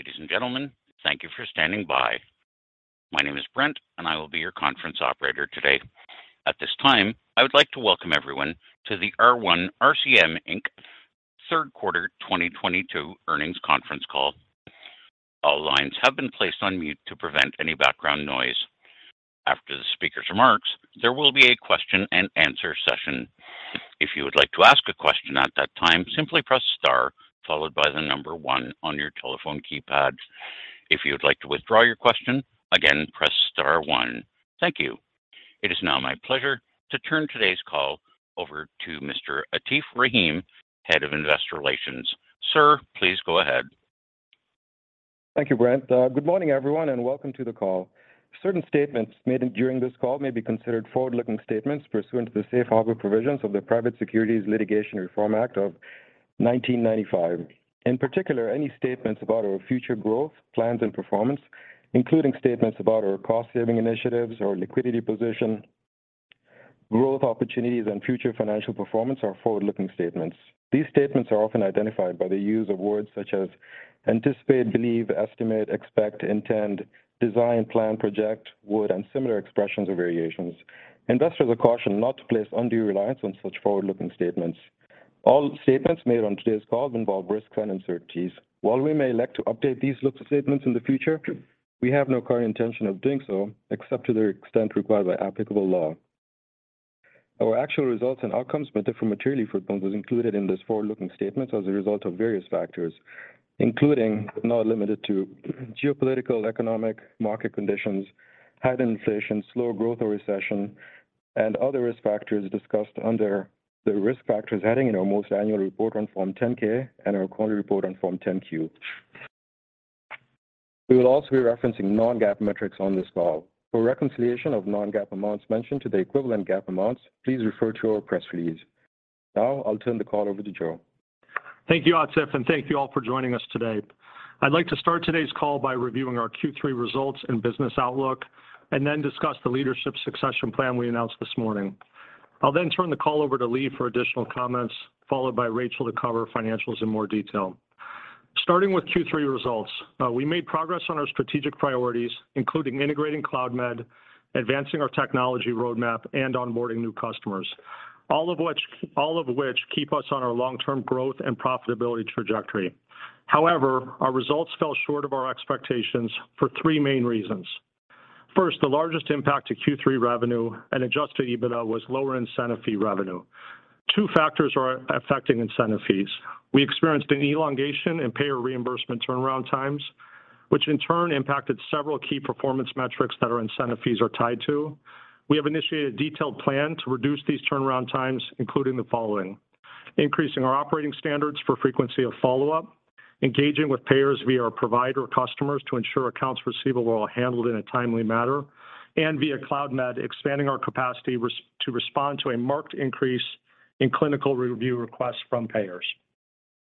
Ladies and gentlemen, thank you for standing by. My name is Brent, I will be your conference operator today. At this time, I would like to welcome everyone to the R1 RCM Inc. Third Quarter 2022 earnings conference call. All lines have been placed on mute to prevent any background noise. After the speaker's remarks, there will be a question and answer session. If you would like to ask a question at that time, simply press star followed by the number one on your telephone keypad. If you would like to withdraw your question, again, press star one. Thank you. It is now my pleasure to turn today's call over to Mr. Atif Rahim, Head of Investor Relations. Sir, please go ahead. Thank you, Brent. Good morning, everyone, welcome to the call. Certain statements made during this call may be considered forward-looking statements pursuant to the safe harbor provisions of the Private Securities Litigation Reform Act of 1995. In particular, any statements about our future growth, plans, and performance, including statements about our cost-saving initiatives, our liquidity position, growth opportunities, and future financial performance are forward-looking statements. These statements are often identified by the use of words such as anticipate, believe, estimate, expect, intend, design, plan, project, would, and similar expressions or variations. Investors are cautioned not to place undue reliance on such forward-looking statements. All statements made on today's call involve risks and uncertainties. While we may elect to update these forward-looking statements in the future, we have no current intention of doing so, except to the extent required by applicable law. Our actual results and outcomes may differ materially from those included in these forward-looking statements as a result of various factors, including but not limited to geopolitical, economic, market conditions, heightened inflation, slow growth or recession, and other risk factors discussed under the Risk Factors heading in our most annual report on Form 10-K and our quarterly report on Form 10-Q. We will also be referencing non-GAAP metrics on this call. For reconciliation of non-GAAP amounts mentioned to the equivalent GAAP amounts, please refer to our press release. I'll turn the call over to Joe. Thank you, Atif, thank you all for joining us today. I'd like to start today's call by reviewing our Q3 results and business outlook then discuss the leadership succession plan we announced this morning. I'll then turn the call over to Lee for additional comments, followed by Rachel to cover financials in more detail. Starting with Q3 results. We made progress on our strategic priorities, including integrating Cloudmed, advancing our technology roadmap, onboarding new customers. All of which keep us on our long-term growth and profitability trajectory. Our results fell short of our expectations for three main reasons. First, the largest impact to Q3 revenue and adjusted EBITDA was lower incentive fee revenue. Two factors are affecting incentive fees. We experienced an elongation in payer reimbursement turnaround times, which in turn impacted several key performance metrics that our incentive fees are tied to. We have initiated a detailed plan to reduce these turnaround times, including the following: increasing our operating standards for frequency of follow-up, engaging with payers via our provider customers to ensure accounts receivable are handled in a timely manner, and via Cloudmed, expanding our capacity to respond to a marked increase in clinical review requests from payers.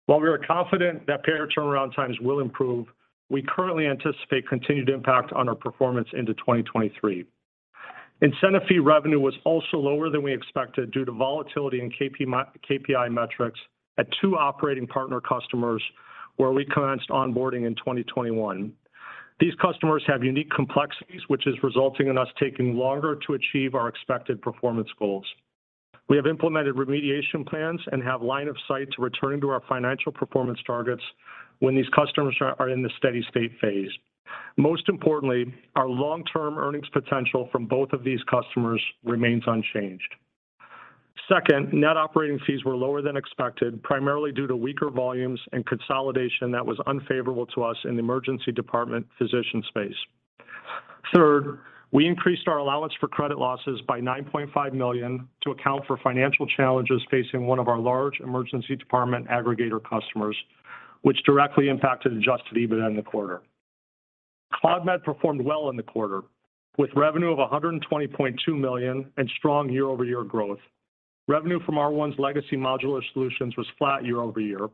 While we are confident that payer turnaround times will improve, we currently anticipate continued impact on our performance into 2023. Incentive fee revenue was also lower than we expected due to volatility in KPI metrics at two operating partner customers where we commenced onboarding in 2021. These customers have unique complexities, which is resulting in us taking longer to achieve our expected performance goals. We have implemented remediation plans and have line of sight to returning to our financial performance targets when these customers are in the steady-state phase. Most importantly, our long-term earnings potential from both of these customers remains unchanged. Second, net operating fees were lower than expected, primarily due to weaker volumes and consolidation that was unfavorable to us in the emergency department physician space. Third, we increased our allowance for credit losses by $9.5 million to account for financial challenges facing one of our large emergency department aggregator customers, which directly impacted adjusted EBITDA in the quarter. Cloudmed performed well in the quarter, with revenue of $120.2 million and strong year-over-year growth. Revenue from R1's legacy modular solutions was flat year-over-year.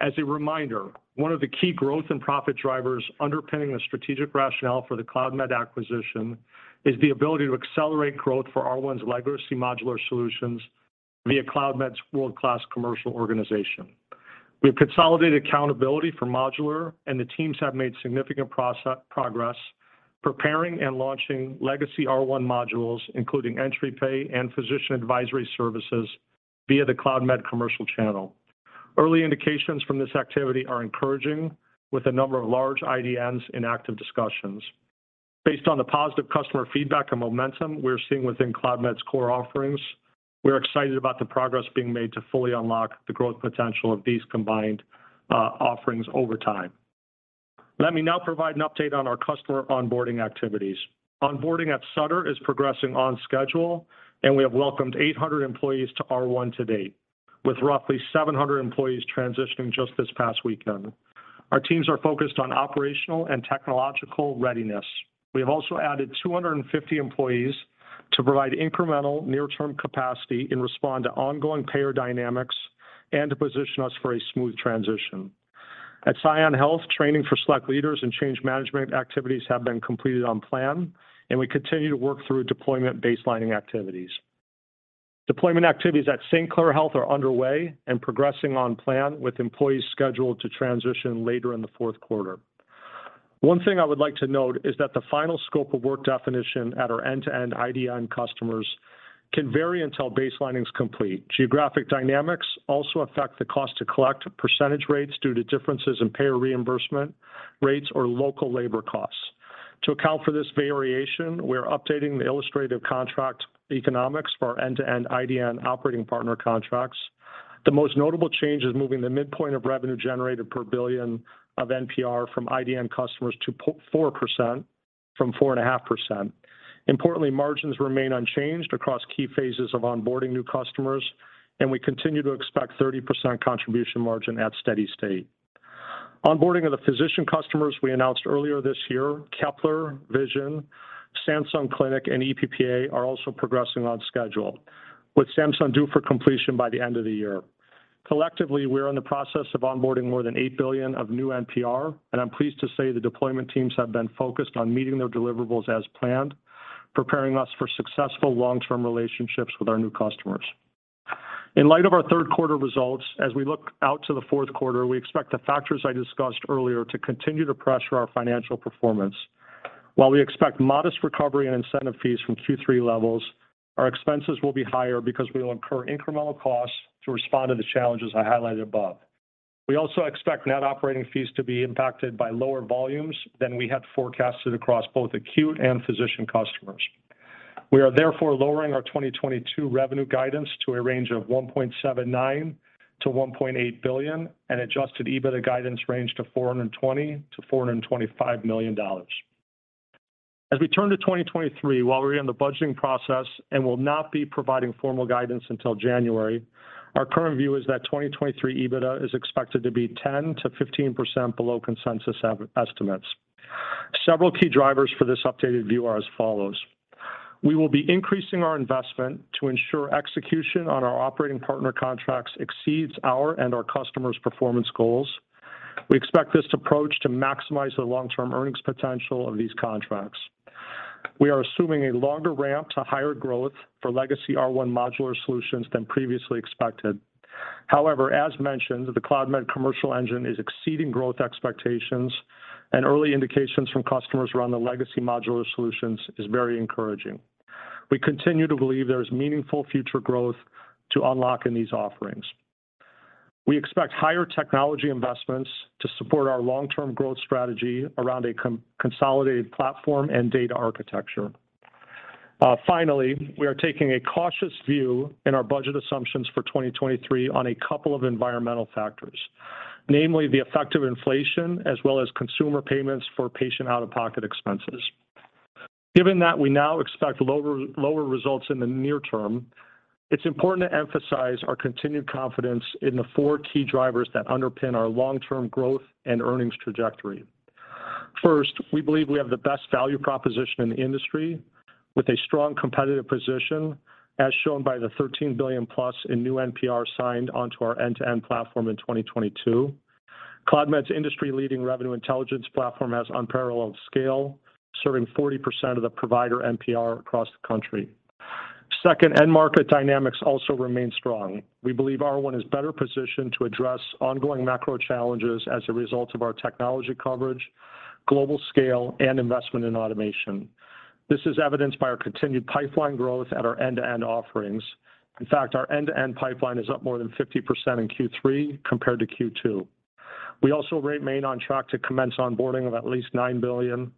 As a reminder, one of the key growth and profit drivers underpinning the strategic rationale for the Cloudmed acquisition is the ability to accelerate growth for R1's legacy modular solutions via Cloudmed's world-class commercial organization. We have consolidated accountability for modular, and the teams have made significant progress preparing and launching legacy R1 modules, including Entri Pay and Physician Advisory Services via the Cloudmed commercial channel. Early indications from this activity are encouraging, with a number of large IDNs in active discussions. Based on the positive customer feedback and momentum we're seeing within Cloudmed's core offerings, we're excited about the progress being made to fully unlock the growth potential of these combined offerings over time. Let me now provide an update on our customer onboarding activities. Onboarding at Sutter is progressing on schedule, and we have welcomed 800 employees to R1 to date, with roughly 700 employees transitioning just this past weekend. Our teams are focused on operational and technological readiness. We have also added 250 employees to provide incremental near-term capacity and respond to ongoing payer dynamics and to position us for a smooth transition. At ScionHealth, training for select leaders and change management activities have been completed on plan, and we continue to work through deployment baselining activities. Deployment activities at St. Clair Health are underway and progressing on plan with employees scheduled to transition later in the fourth quarter. One thing I would like to note is that the final scope of work definition at our end-to-end IDN customers can vary until baselining is complete. Geographic dynamics also affect the cost to collect percentage rates due to differences in payer reimbursement rates or local labor costs. To account for this variation, we're updating the illustrative contract economics for our end-to-end IDN operating partner contracts. The most notable change is moving the midpoint of revenue generated per billion of NPR from IDN customers to 4% from 4.5%. Importantly, margins remain unchanged across key phases of onboarding new customers, and we continue to expect 30% contribution margin at steady state. Onboarding of the physician customers we announced earlier this year, Kepler, Vision, Sansum Clinic, and EPPA, are also progressing on schedule, with Sansum due for completion by the end of the year. Collectively, we are in the process of onboarding more than $8 billion of new NPR, and I'm pleased to say the deployment teams have been focused on meeting their deliverables as planned, preparing us for successful long-term relationships with our new customers. In light of our third quarter results, as we look out to the fourth quarter, we expect the factors I discussed earlier to continue to pressure our financial performance. While we expect modest recovery in incentive fees from Q3 levels, our expenses will be higher because we will incur incremental costs to respond to the challenges I highlighted above. We also expect net operating fees to be impacted by lower volumes than we had forecasted across both acute and physician customers. We are therefore lowering our 2022 revenue guidance to a range of $1.79 billion-$1.8 billion and Adjusted EBITDA guidance range to $420 million-$425 million. As we turn to 2023, while we're in the budgeting process and will not be providing formal guidance until January, our current view is that 2023 EBITDA is expected to be 10%-15% below consensus estimates. Several key drivers for this updated view are as follows. We will be increasing our investment to ensure execution on our operating partner contracts exceeds our and our customers' performance goals. We expect this approach to maximize the long-term earnings potential of these contracts. We are assuming a longer ramp to higher growth for legacy R1 modular solutions than previously expected. However, as mentioned, the Cloudmed commercial engine is exceeding growth expectations, and early indications from customers around the legacy modular solutions is very encouraging. We continue to believe there is meaningful future growth to unlock in these offerings. We expect higher technology investments to support our long-term growth strategy around a consolidated platform and data architecture. Finally, we are taking a cautious view in our budget assumptions for 2023 on a couple of environmental factors, namely the effect of inflation as well as consumer payments for patient out-of-pocket expenses. Given that we now expect lower results in the near term, it's important to emphasize our continued confidence in the four key drivers that underpin our long-term growth and earnings trajectory. First, we believe we have the best value proposition in the industry with a strong competitive position, as shown by the $13 billion-plus in new NPR signed onto our end-to-end platform in 2022. Cloudmed's industry leading revenue intelligence platform has unparalleled scale, serving 40% of the provider NPR across the country. Second, end market dynamics also remain strong. We believe R1 is better positioned to address ongoing macro challenges as a result of our technology coverage, global scale, and investment in automation. This is evidenced by our continued pipeline growth at our end-to-end offerings. In fact, our end-to-end pipeline is up more than 50% in Q3 compared to Q2. We also remain on track to commence onboarding of at least $9 billion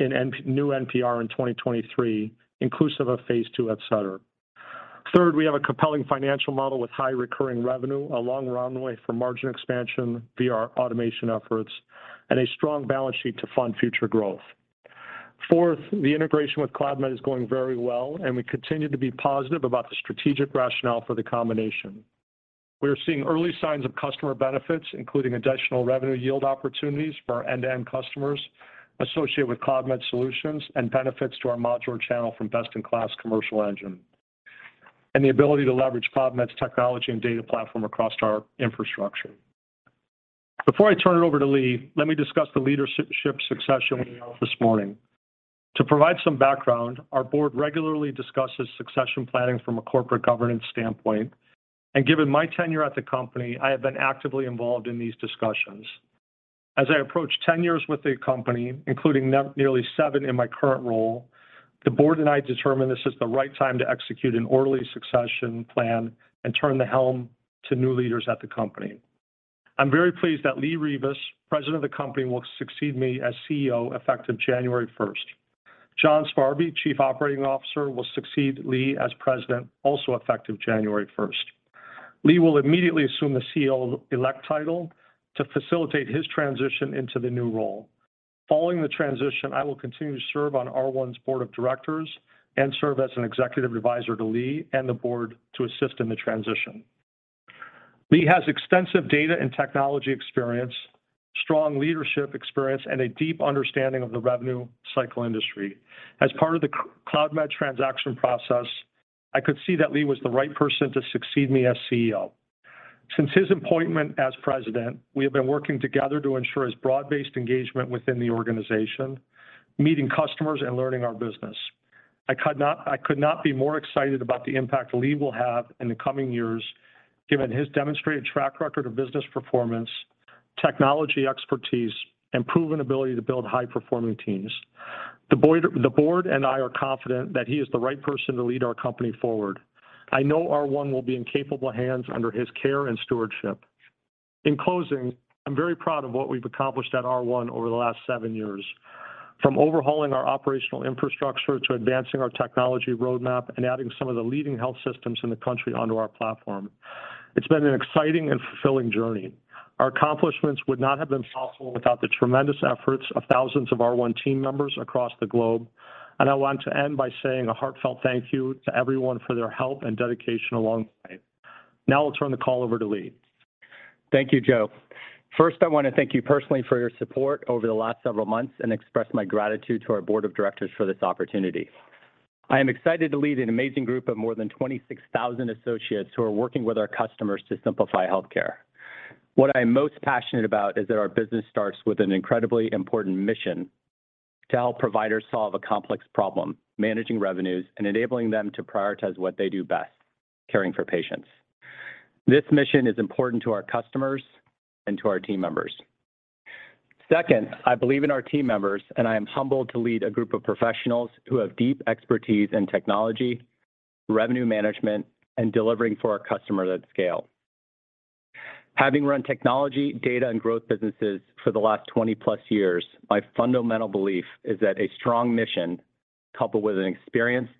in new NPR in 2023, inclusive of phase two, et cetera. We have a compelling financial model with high recurring revenue, a long runway for margin expansion via our automation efforts, and a strong balance sheet to fund future growth. The integration with Cloudmed is going very well, and we continue to be positive about the strategic rationale for the combination. We are seeing early signs of customer benefits, including additional revenue yield opportunities for our end-to-end customers associated with Cloudmed solutions and benefits to our modular channel from best-in-class commercial engine, and the ability to leverage Cloudmed's technology and data platform across our infrastructure. Before I turn it over to Lee, let me discuss the leadership succession we announced this morning. To provide some background, our board regularly discusses succession planning from a corporate governance standpoint, and given my tenure at the company, I have been actively involved in these discussions. As I approach 10 years with the company, including nearly seven in my current role, the board and I determined this is the right time to execute an orderly succession plan and turn the helm to new leaders at the company. I'm very pleased that Lee Rivas, President of the company, will succeed me as CEO effective January 1st. John Sparby, Chief Operating Officer, will succeed Lee as President, also effective January 1st. Lee will immediately assume the CEO-elect title to facilitate his transition into the new role. Following the transition, I will continue to serve on R1's board of directors and serve as an executive advisor to Lee and the board to assist in the transition. Lee has extensive data and technology experience, strong leadership experience, and a deep understanding of the revenue cycle industry. As part of the Cloudmed transaction process, I could see that Lee was the right person to succeed me as CEO. Since his appointment as President, we have been working together to ensure his broad-based engagement within the organization, meeting customers, and learning our business. I could not be more excited about the impact Lee will have in the coming years, given his demonstrated track record of business performance, technology expertise, and proven ability to build high-performing teams. The board and I are confident that he is the right person to lead our company forward. I know R1 will be in capable hands under his care and stewardship. In closing, I'm very proud of what we've accomplished at R1 over the last seven years, from overhauling our operational infrastructure to advancing our technology roadmap and adding some of the leading health systems in the country onto our platform. It's been an exciting and fulfilling journey. Our accomplishments would not have been possible without the tremendous efforts of thousands of R1 team members across the globe. I want to end by saying a heartfelt thank you to everyone for their help and dedication along the way. Now I'll turn the call over to Lee. Thank you, Joe. First, I want to thank you personally for your support over the last several months and express my gratitude to our board of directors for this opportunity. I am excited to lead an amazing group of more than 26,000 associates who are working with our customers to simplify healthcare. What I'm most passionate about is that our business starts with an incredibly important mission to help providers solve a complex problem: managing revenues and enabling them to prioritize what they do best, caring for patients. This mission is important to our customers and to our team members. Second, I believe in our team members, and I am humbled to lead a group of professionals who have deep expertise in technology, revenue management, and delivering for our customers at scale. Having run technology, data, and growth businesses for the last 20 plus years, my fundamental belief is that a strong mission coupled with an experienced,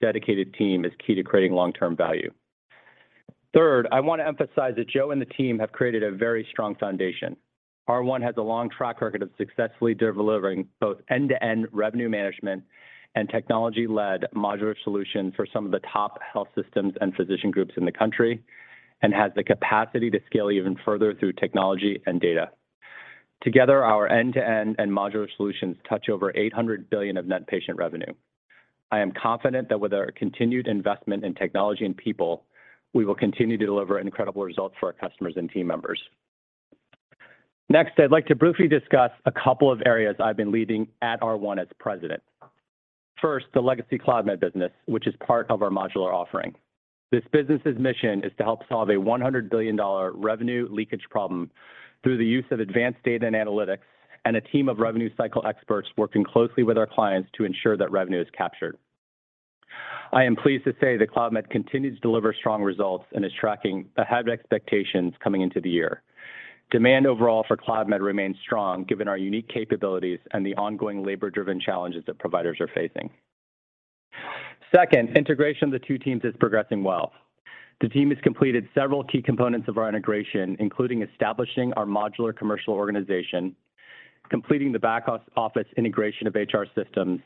dedicated team is key to creating long-term value. Third, I want to emphasize that Joe and the team have created a very strong foundation. R1 has a long track record of successfully delivering both end-to-end revenue management and technology-led modular solutions for some of the top health systems and physician groups in the country and has the capacity to scale even further through technology and data. Together, our end-to-end and modular solutions touch over $800 billion of net patient revenue. I am confident that with our continued investment in technology and people, we will continue to deliver incredible results for our customers and team members. Next, I'd like to briefly discuss a couple of areas I've been leading at R1 as President. First, the legacy Cloudmed business, which is part of our modular offering. This business's mission is to help solve a $100 billion revenue leakage problem through the use of advanced data and analytics and a team of revenue cycle experts working closely with our clients to ensure that revenue is captured. I am pleased to say that Cloudmed continues to deliver strong results and is tracking ahead of expectations coming into the year. Demand overall for Cloudmed remains strong given our unique capabilities and the ongoing labor-driven challenges that providers are facing. Second, integration of the two teams is progressing well. The team has completed several key components of our integration, including establishing our modular commercial organization, completing the back-office integration of HR systems,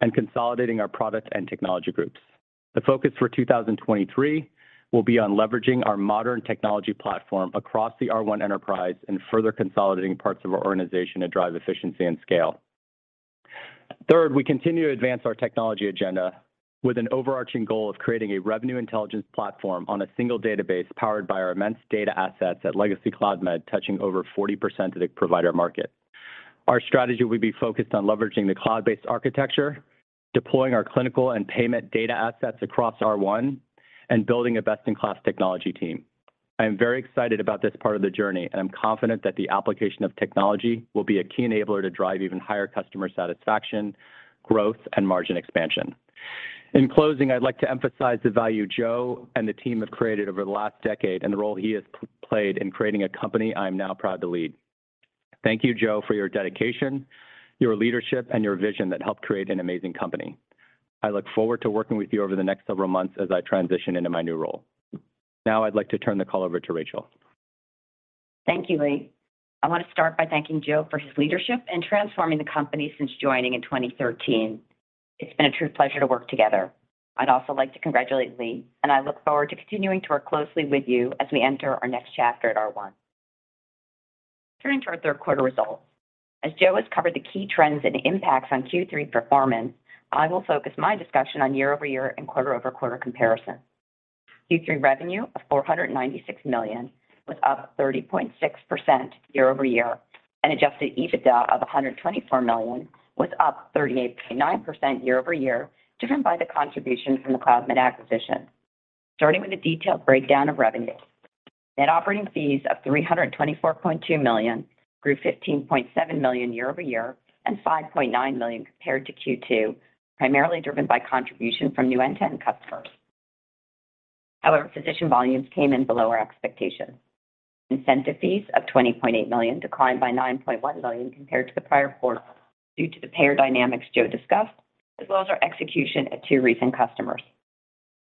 and consolidating our product and technology groups. The focus for 2023 will be on leveraging our modern technology platform across the R1 enterprise and further consolidating parts of our organization to drive efficiency and scale. Third, we continue to advance our technology agenda with an overarching goal of creating a revenue intelligence platform on a single database powered by our immense data assets at legacy Cloudmed, touching over 40% of the provider market. Our strategy will be focused on leveraging the cloud-based architecture, deploying our clinical and payment data assets across R1, and building a best-in-class technology team. I am very excited about this part of the journey, and I'm confident that the application of technology will be a key enabler to drive even higher customer satisfaction, growth, and margin expansion. In closing, I'd like to emphasize the value Joe and the team have created over the last decade and the role he has played in creating a company I am now proud to lead. Thank you, Joe, for your dedication, your leadership, and your vision that helped create an amazing company. I look forward to working with you over the next several months as I transition into my new role. Now, I'd like to turn the call over to Rachel. Thank you, Lee. I want to start by thanking Joe for his leadership in transforming the company since joining in 2013. It's been a true pleasure to work together. I'd also like to congratulate Lee, and I look forward to continuing to work closely with you as we enter our next chapter at R1. Turning to our third quarter results, as Joe has covered the key trends and impacts on Q3 performance, I will focus my discussion on year-over-year and quarter-over-quarter comparison. Q3 revenue of $496 million was up 30.6% year-over-year, and adjusted EBITDA of $124 million was up 38.9% year-over-year, driven by the contribution from the Cloudmed acquisition. Starting with a detailed breakdown of revenue. Net operating fees of $324.2 million grew $15.7 million year-over-year and $5.9 million compared to Q2, primarily driven by contribution from new end-to-end customers. Physician volumes came in below our expectations. Incentive fees of $20.8 million declined by $9.1 million compared to the prior quarter due to the payer dynamics Joe discussed, as well as our execution at two recent customers.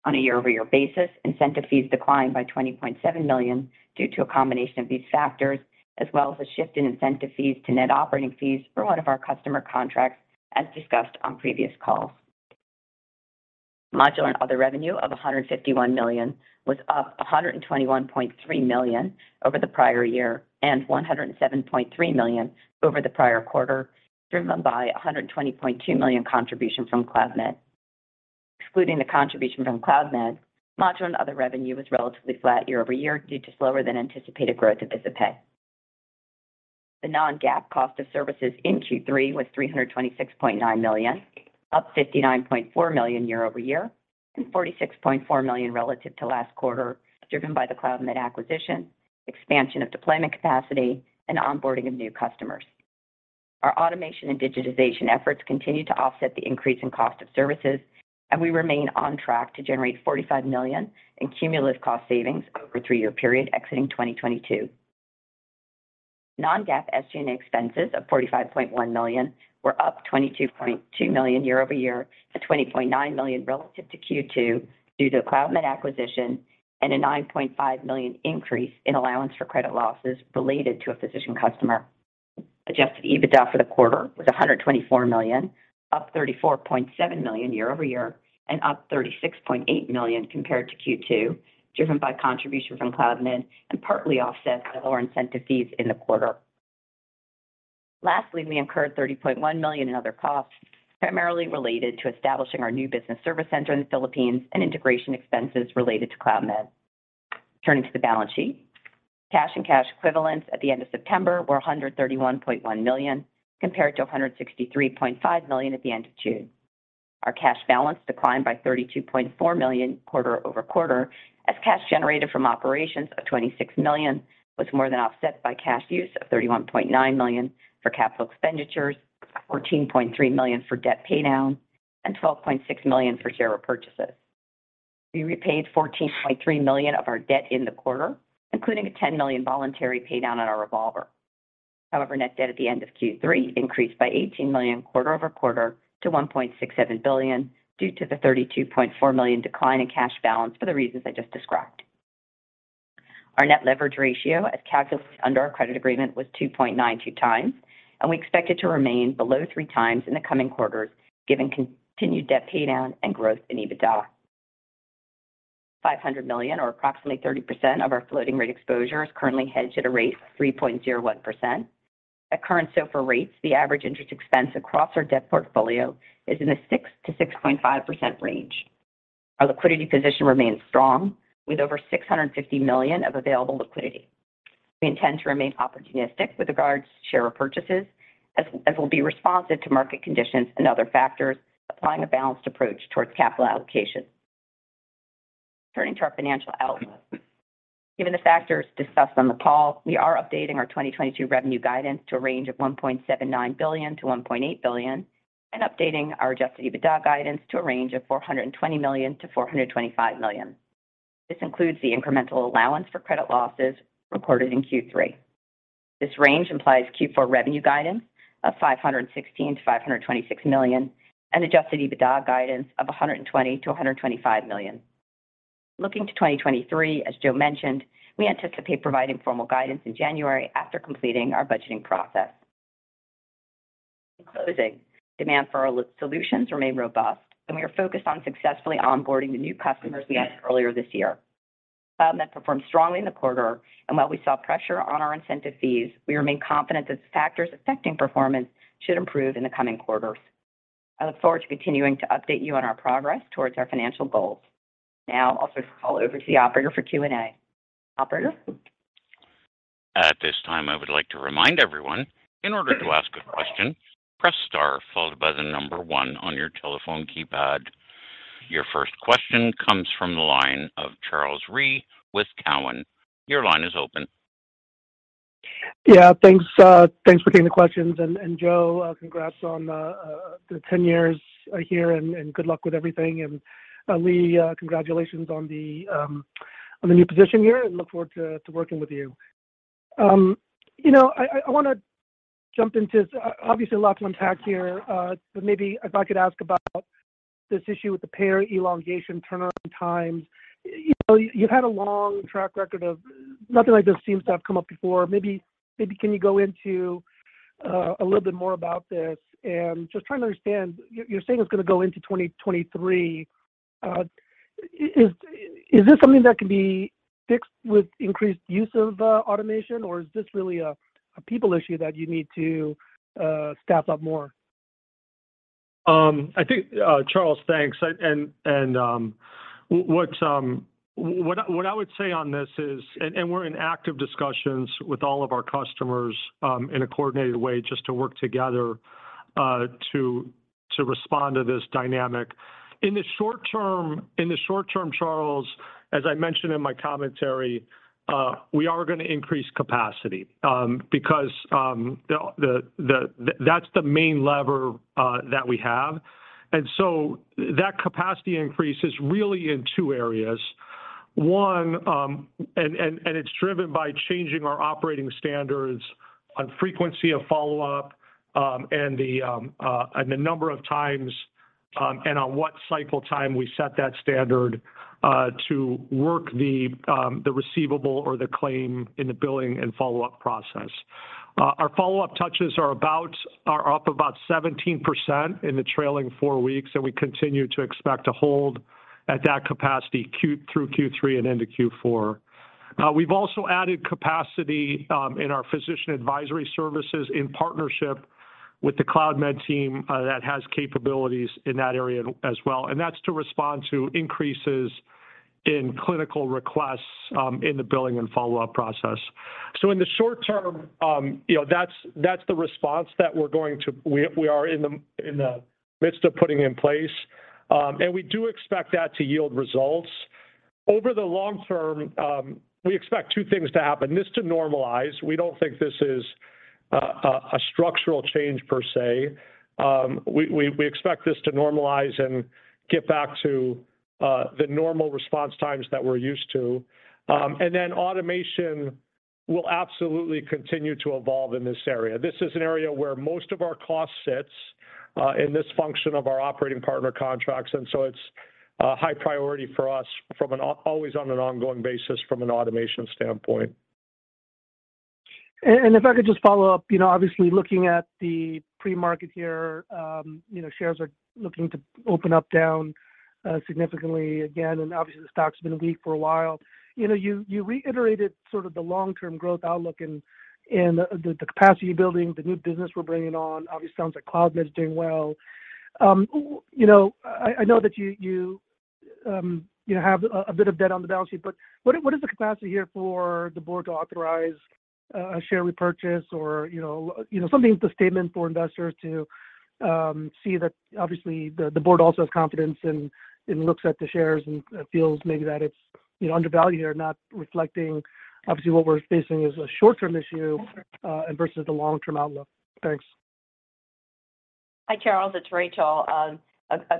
On a year-over-year basis, incentive fees declined by $20.7 million due to a combination of these factors, as well as a shift in incentive fees to net operating fees for one of our customer contracts, as discussed on previous calls. Modular and other revenue of $151 million was up $121.3 million over the prior year and $107.3 million over the prior quarter, driven by $120.2 million contribution from Cloudmed. Excluding the contribution from Cloudmed, modular and other revenue was relatively flat year-over-year due to slower than anticipated growth of VisitPay. The non-GAAP cost of services in Q3 was $326.9 million, up $59.4 million year-over-year, and $46.4 million relative to last quarter, driven by the Cloudmed acquisition, expansion of deployment capacity, and onboarding of new customers. Our automation and digitization efforts continue to offset the increase in cost of services, and we remain on track to generate $45 million in cumulative cost savings over a three-year period exiting 2022. Non-GAAP SG&A expenses of $45.1 million were up $22.2 million year-over-year to $20.9 million relative to Q2 due to the Cloudmed acquisition and a $9.5 million increase in allowance for credit losses related to a physician customer. Adjusted EBITDA for the quarter was $124 million, up $34.7 million year-over-year, and up $36.8 million compared to Q2, driven by contributions from Cloudmed and partly offset by lower incentive fees in the quarter. Lastly, we incurred $30.1 million in other costs, primarily related to establishing our new business service center in the Philippines and integration expenses related to Cloudmed. Turning to the balance sheet. Cash and cash equivalents at the end of September were $131.1 million, compared to $163.5 million at the end of Q2. Our cash balance declined by $32.4 million quarter-over-quarter, as cash generated from operations of $26 million was more than offset by cash use of $31.9 million for capital expenditures, $14.3 million for debt paydown, and $12.6 million for share repurchases. We repaid $14.3 million of our debt in the quarter, including a $10 million voluntary paydown on our revolver. However, net debt at the end of Q3 increased by $18 million quarter-over-quarter to $1.67 billion due to the $32.4 million decline in cash balance for the reasons I just described. Our net leverage ratio as calculated under our credit agreement was 2.92 times, and we expect it to remain below three times in the coming quarters, given continued debt paydown and growth in EBITDA. $500 million, or approximately 30% of our floating rate exposure, is currently hedged at a rate of 3.01%. At current SOFR rates, the average interest expense across our debt portfolio is in the 6%-6.5% range. Our liquidity position remains strong, with over $650 million of available liquidity. We intend to remain opportunistic with regards to share repurchases as we will be responsive to market conditions and other factors, applying a balanced approach towards capital allocation. Turning to our financial outlook. Given the factors discussed on the call, we are updating our 2022 revenue guidance to a range of $1.79 billion-$1.8 billion, and updating our adjusted EBITDA guidance to a range of $420 million-$425 million. This includes the incremental allowance for credit losses reported in Q3. This range implies Q4 revenue guidance of $516 million-$526 million and adjusted EBITDA guidance of $120 million-$125 million. Looking to 2023, as Joe mentioned, we anticipate providing formal guidance in January after completing our budgeting process. In closing, demand for our solutions remain robust, and we are focused on successfully onboarding the new customers we added earlier this year. Cloudmed performed strongly in the quarter, and while we saw pressure on our incentive fees, we remain confident that the factors affecting performance should improve in the coming quarters. I look forward to continuing to update you on our progress towards our financial goals. Now I will turn the call over to the operator for Q&A. Operator? At this time, I would like to remind everyone, in order to ask a question, press star followed by the number 1 on your telephone keypad. Your first question comes from the line of Charles Rhyee with Cowen. Your line is open. Yeah, thanks. Thanks for taking the questions. Joe, congrats on the 10 years here, and good luck with everything. Lee, congratulations on the new position here, and look forward to working with you. I want to jump into, obviously a lot to unpack here. Maybe if I could ask about this issue with the payer elongation turnaround times. You've had a long track record of nothing like this seems to have come up before. Maybe can you go into a little bit more about this? Just trying to understand, you're saying it's going to go into 2023. Is this something that can be fixed with increased use of automation, or is this really a people issue that you need to staff up more? Charles, thanks. What I would say on this is, we're in active discussions with all of our customers in a coordinated way just to work together to respond to this dynamic. In the short term, Charles, as I mentioned in my commentary, we are going to increase capacity, because that's the main lever that we have. That capacity increase is really in two areas. One, it's driven by changing our operating standards on frequency of follow-up, and the number of times, and on what cycle time we set that standard, to work the receivable or the claim in the billing and follow-up process. Our follow-up touches are up about 17% in the trailing four weeks, and we continue to expect to hold at that capacity through Q3 and into Q4. We've also added capacity in our Physician Advisory Services in partnership with the Cloudmed team that has capabilities in that area as well, that's to respond to increases in clinical requests in the billing and follow-up process. In the short term, that's the response that we are in the midst of putting in place. We do expect that to yield results. Over the long term, we expect two things to happen. This to normalize. We don't think this is a structural change per se. We expect this to normalize and get back to the normal response times that we're used to. Then automation will absolutely continue to evolve in this area. This is an area where most of our cost sits in this function of our operating partner contracts. It's a high priority for us always on an ongoing basis, from an automation standpoint. If I could just follow up. Obviously, looking at the pre-market here, shares are looking to open up down significantly again, and obviously, the stock's been weak for a while. You reiterated sort of the long-term growth outlook and the capacity building, the new business we're bringing on. Obviously, sounds like Cloudmed's doing well. I know that you have a bit of debt on the balance sheet, but what is the capacity here for the board to authorize a share repurchase or something, a statement for investors to see that obviously the board also has confidence and looks at the shares and feels maybe that it's undervalued here, not reflecting obviously what we're facing is a short-term issue and versus the long-term outlook? Thanks. Hi, Charles, it's Rachel. Agree.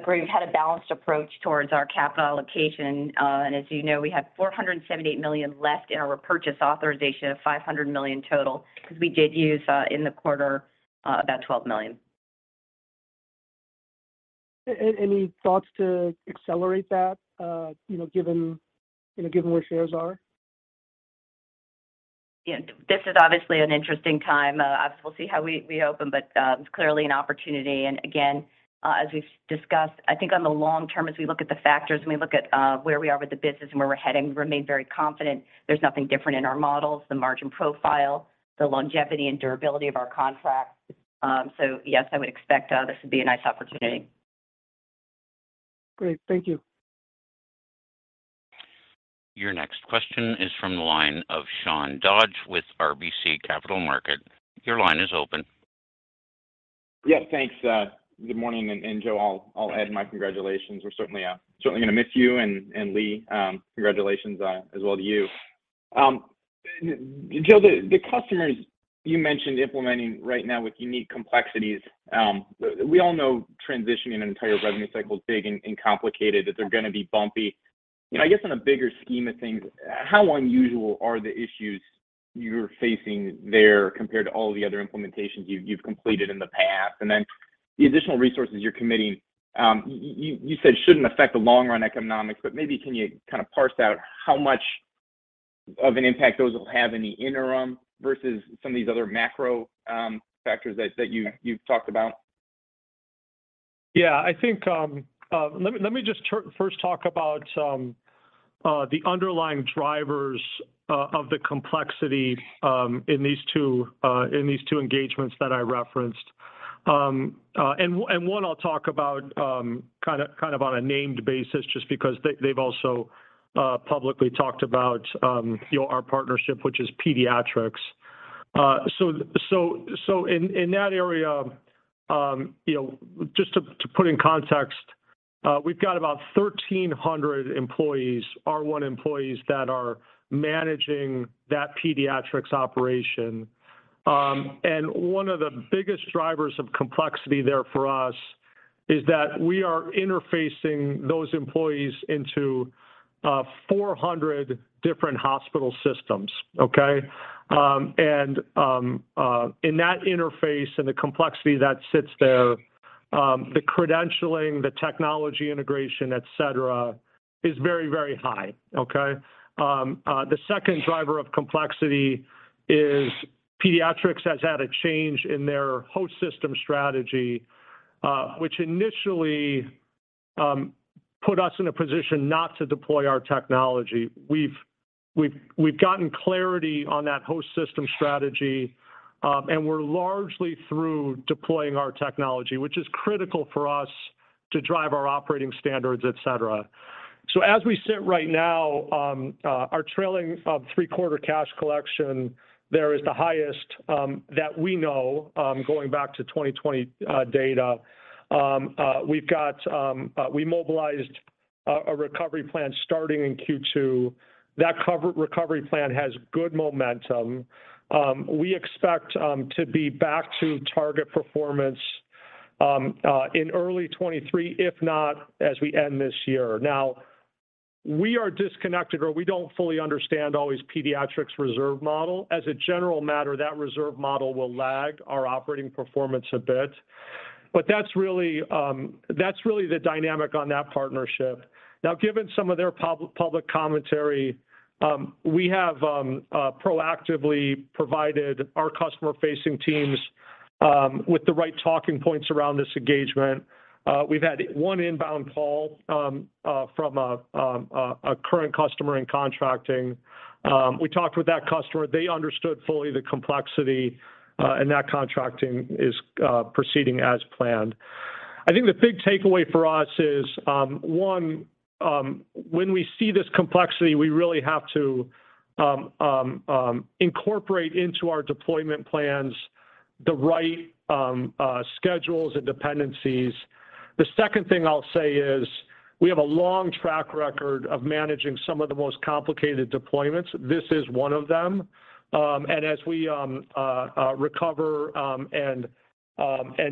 We've had a balanced approach towards our capital allocation. As you know, we have $478 million left in our repurchase authorization of $500 million total because we did use, in the quarter, about $12 million. Any thoughts to accelerate that given where shares are? This is obviously an interesting time. Obviously, we'll see how we open, but it's clearly an opportunity. Again, as we've discussed, I think on the long term, as we look at the factors and we look at where we are with the business and where we're heading, we remain very confident there's nothing different in our models, the margin profile, the longevity and durability of our contracts. Yes, I would expect this would be a nice opportunity. Great. Thank you. Your next question is from the line of Sean Dodge with RBC Capital Markets. Your line is open. Yeah. Thanks. Good morning. Joe, I'll add my congratulations. We're certainly going to miss you, and Lee, congratulations as well to you. Joe, the customers you mentioned implementing right now with unique complexities, we all know transitioning an entire revenue cycle is big and complicated, that they're going to be bumpy. I guess on a bigger scheme of things, how unusual are the issues you're facing there compared to all the other implementations you've completed in the past? Then the additional resources you're committing, you said shouldn't affect the long-run economics, but maybe can you kind of parse out how much of an impact those will have in the interim versus some of these other macro factors that you've talked about? Yeah. Let me just first talk about the underlying drivers of the complexity in these two engagements that I referenced. One I'll talk about on a named basis just because they've also publicly talked about our partnership, which is Pediatrix. In that area, just to put it in context, we've got about 1,300 employees, R1 employees that are managing that Pediatrix operation. One of the biggest drivers of complexity there for us is that we are interfacing those employees into 400 different hospital systems. Okay? In that interface and the complexity that sits there, the credentialing, the technology integration, et cetera, is very high. Okay? The second driver of complexity is Pediatrix has had a change in their host system strategy, which initially put us in a position not to deploy our technology. We've gotten clarity on that host system strategy, and we're largely through deploying our technology, which is critical for us to drive our operating standards, et cetera. As we sit right now, our trailing 3-quarter cash collection there is the highest that we know, going back to 2020 data. We mobilized a recovery plan starting in Q2. That recovery plan has good momentum. We expect to be back to target performance in early 2023, if not as we end this year. We are disconnected or we don't fully understand always Pediatrix reserve model. As a general matter, that reserve model will lag our operating performance a bit, but that's really the dynamic on that partnership. Given some of their public commentary, we have proactively provided our customer-facing teams with the right talking points around this engagement. We've had one inbound call from a current customer in contracting. We talked with that customer. They understood fully the complexity, and that contracting is proceeding as planned. I think the big takeaway for us is, one, when we see this complexity, we really have to incorporate into our deployment plans the right schedules and dependencies. The second thing I'll say is we have a long track record of managing some of the most complicated deployments. This is one of them. As we recover and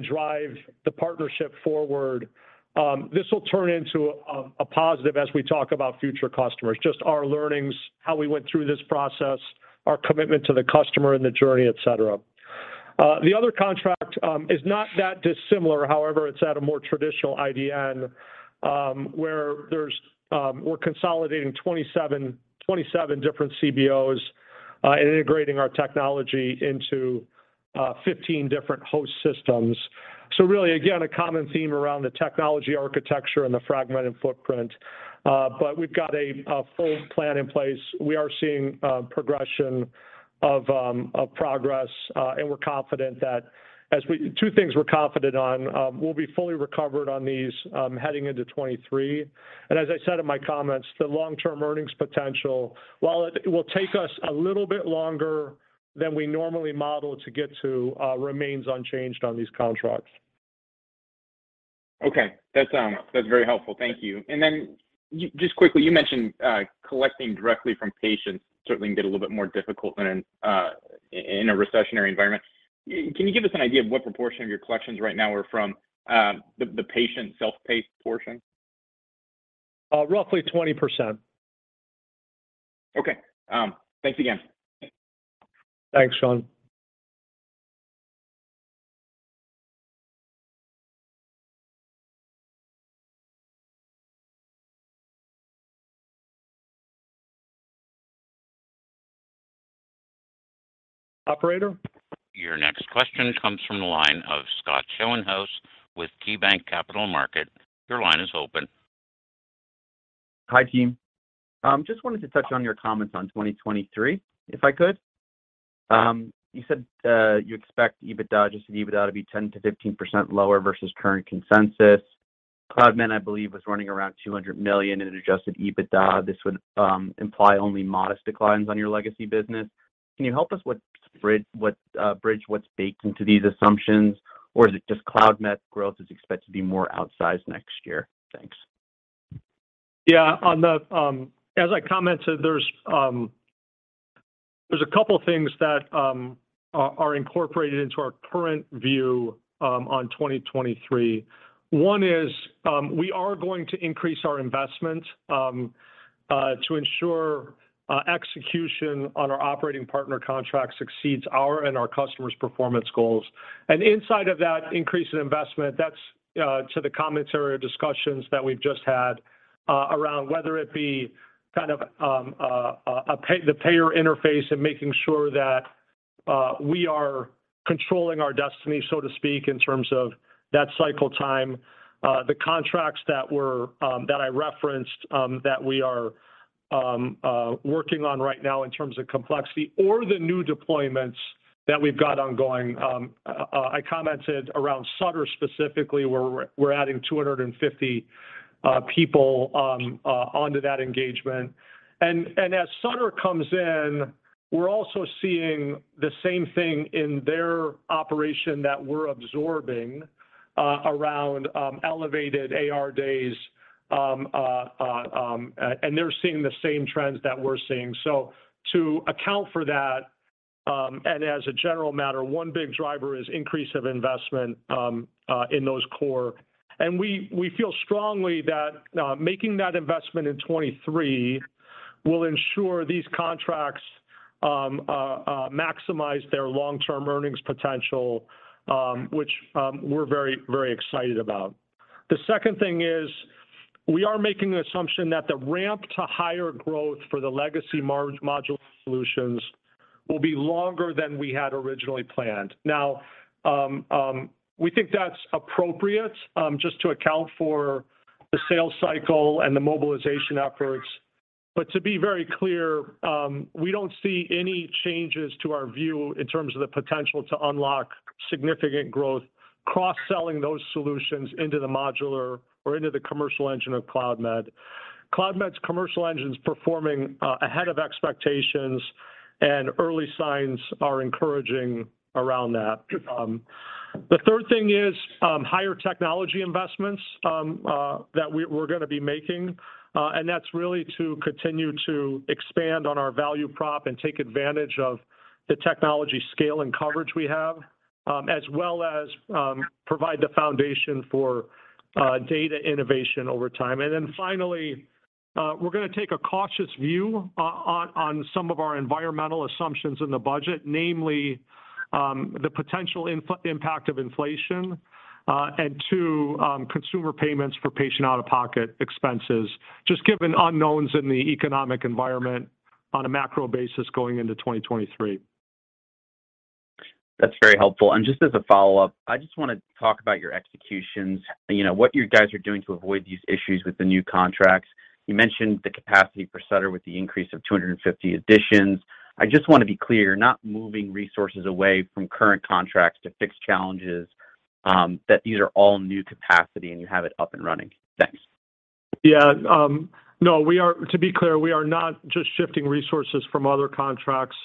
drive the partnership forward, this will turn into a positive as we talk about future customers, just our learnings, how we went through this process, our commitment to the customer and the journey, et cetera. The other contract is not that dissimilar. However, it's at a more traditional IDN, where we're consolidating 27 different CBOs and integrating our technology into 15 different host systems. Really, again, a common theme around the technology architecture and the fragmented footprint. We've got a full plan in place. We are seeing progression of progress, and we're confident. Two things we're confident on. We'll be fully recovered on these heading into 2023. As I said in my comments, the long-term earnings potential, while it will take us a little bit longer than we normally model to get to, remains unchanged on these contracts. Okay. That's very helpful. Thank you. Just quickly, you mentioned collecting directly from patients certainly can get a little bit more difficult in a recessionary environment. Can you give us an idea of what proportion of your collections right now are from the patient self-pay portion? Roughly 20%. Okay. Thanks again. Thanks, Sean. Operator? Your next question comes from the line of Scott Schoenhaus with KeyBanc Capital Markets. Your line is open. Hi, team. Just wanted to touch on your comments on 2023, if I could. You said you expect adjusted EBITDA to be 10%-15% lower versus current consensus. Cloudmed, I believe, was running around $200 million in adjusted EBITDA. This would imply only modest declines on your legacy business. Can you help us bridge what's baked into these assumptions, or is it just Cloudmed growth is expected to be more outsized next year? Thanks. Yeah. As I commented, there's a couple things that are incorporated into our current view on 2023. One is we are going to increase our investment to ensure execution on our operating partner contract succeeds our and our customers' performance goals. Inside of that increase in investment, that's to the comments or discussions that we've just had around whether it be kind of the payer interface and making sure that we are controlling our destiny, so to speak, in terms of that cycle time, the contracts that I referenced that we are working on right now in terms of complexity or the new deployments that we've got ongoing. I commented around Sutter specifically, where we're adding 250 people onto that engagement. As Sutter comes in, we're also seeing the same thing in their operation that we're absorbing around elevated AR days. They're seeing the same trends that we're seeing. To account for that, and as a general matter, one big driver is increase of investment in those core. We feel strongly that making that investment in 2023 will ensure these contracts maximize their long-term earnings potential, which we're very excited about. The second thing is we are making the assumption that the ramp to higher growth for the legacy modular solutions will be longer than we had originally planned. Now, we think that's appropriate just to account for the sales cycle and the mobilization efforts. To be very clear, we don't see any changes to our view in terms of the potential to unlock significant growth cross-selling those solutions into the modular or into the commercial engine of Cloudmed. Cloudmed's commercial engine's performing ahead of expectations, and early signs are encouraging around that. The third thing is higher technology investments that we're going to be making, and that's really to continue to expand on our value prop and take advantage of the technology scale and coverage we have, as well as provide the foundation for data innovation over time. Finally, we're going to take a cautious view on some of our environmental assumptions in the budget, namely the potential impact of inflation, and 2, consumer payments for patient out-of-pocket expenses, just given unknowns in the economic environment on a macro basis going into 2023. That's very helpful. Just as a follow-up, I just want to talk about your executions. What you guys are doing to avoid these issues with the new contracts. You mentioned the capacity for Sutter with the increase of 250 additions. I just want to be clear, you're not moving resources away from current contracts to fix challenges, that these are all new capacity and you have it up and running. Thanks. Yeah. No, to be clear, we are not just shifting resources from other contracts.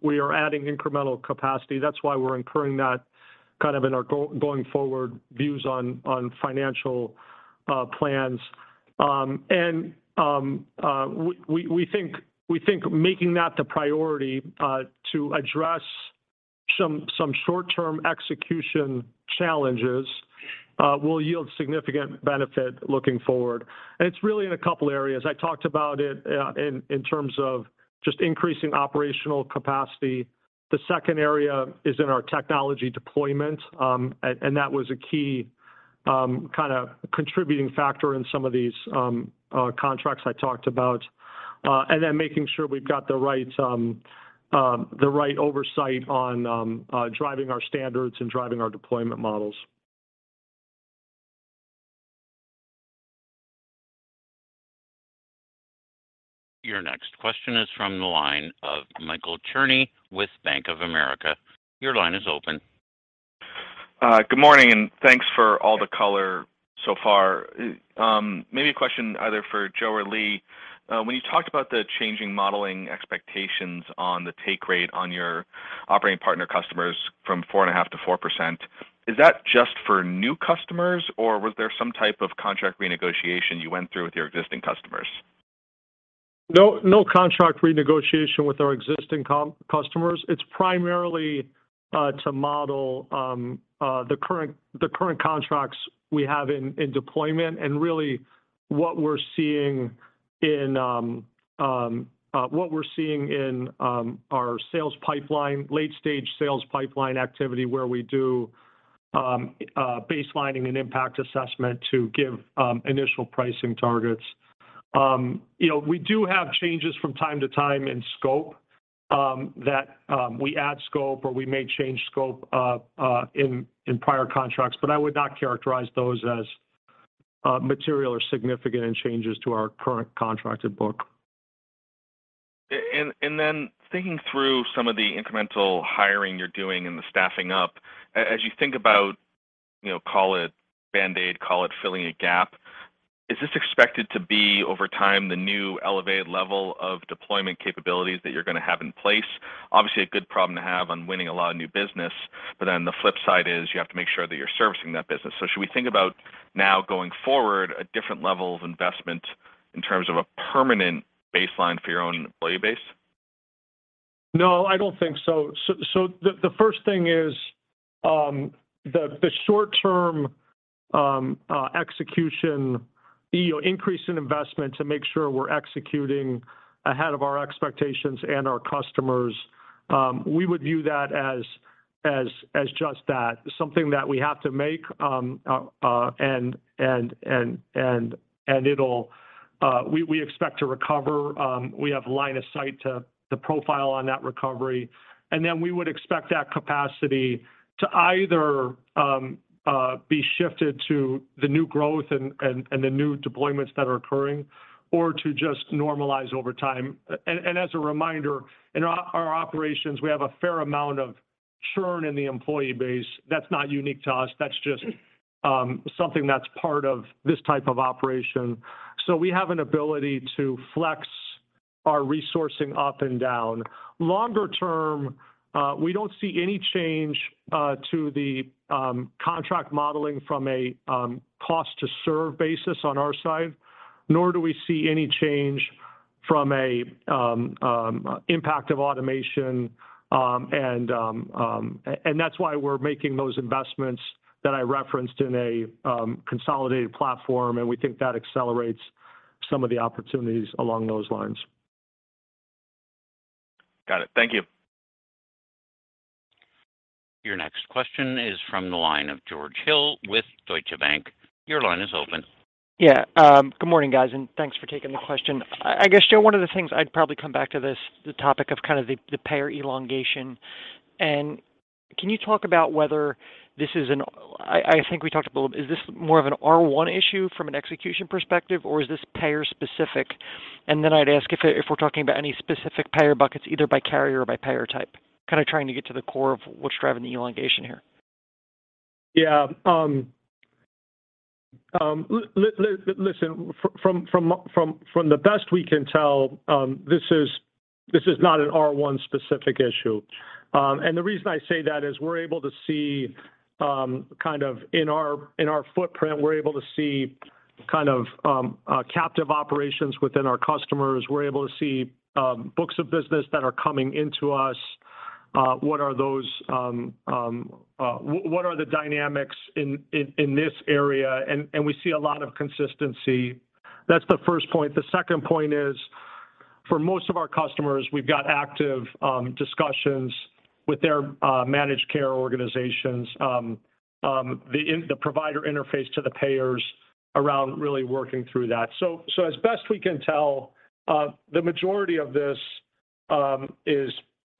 We are adding incremental capacity. That's why we're incurring that kind of in our going forward views on financial plans. We think making that the priority to address some short-term execution challenges will yield significant benefit looking forward. It's really in a couple areas. I talked about it in terms of just increasing operational capacity. The second area is in our technology deployment, that was a key kind of contributing factor in some of these contracts I talked about. Then making sure we've got the right oversight on driving our standards and driving our deployment models. Your next question is from the line of Michael Cherny with Bank of America. Your line is open. Good morning, thanks for all the color so far. Maybe a question either for Joe or Lee. When you talked about the changing modeling expectations on the take rate on your operating partner customers from 4.5%-4%, is that just for new customers, or was there some type of contract renegotiation you went through with your existing customers? No contract renegotiation with our existing customers. It's primarily to model the current contracts we have in deployment and really what we're seeing in our late-stage sales pipeline activity where we do baselining and impact assessment to give initial pricing targets. We do have changes from time to time in scope, that we add scope or we may change scope in prior contracts. I would not characterize those as material or significant in changes to our current contracted book. Thinking through some of the incremental hiring you're doing and the staffing up, as you think about, call it band-aid, call it filling a gap, is this expected to be, over time, the new elevated level of deployment capabilities that you're going to have in place? Obviously, a good problem to have on winning a lot of new business. The flip side is you have to make sure that you're servicing that business. Should we think about now going forward a different level of investment in terms of a permanent baseline for your own employee base? No, I don't think so. The first thing is the short-term execution, increase in investment to make sure we're executing ahead of our expectations and our customers. We would view that as just that, something that we have to make, and we expect to recover. We have line of sight to the profile on that recovery. We would expect that capacity to either be shifted to the new growth and the new deployments that are occurring or to just normalize over time. As a reminder, in our operations, we have a fair amount of churn in the employee base. That's not unique to us. That's just something that's part of this type of operation. We have an ability to flex our resourcing up and down. Longer term, we don't see any change to the contract modeling from a cost-to-serve basis on our side, nor do we see any change from an impact of automation. That's why we're making those investments that I referenced in a consolidated platform, and we think that accelerates some of the opportunities along those lines. Got it. Thank you. Your next question is from the line of George Hill with Deutsche Bank. Your line is open. Yeah. Good morning, guys. Thanks for taking the question. I guess, Joe, one of the things I'd probably come back to this, the topic of kind of the payer elongation. Can you talk about whether this is an I think we talked a little bit, is this more of an R1 issue from an execution perspective, or is this payer-specific? I'd ask if we're talking about any specific payer buckets, either by carrier or by payer type. Kind of trying to get to the core of what's driving the elongation here. Yeah. Listen, from the best we can tell, this is not an R1 specific issue. The reason I say that is we're able to see kind of in our footprint, we're able to see kind of captive operations within our customers. We're able to see books of business that are coming into us. What are the dynamics in this area? We see a lot of consistency. That's the first point. The second point is, for most of our customers, we've got active discussions with their managed care organizations. The provider interface to the payers, really working through that. As best we can tell, the majority of this